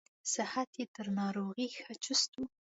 صحت یې تر ناروغۍ ښه چست و.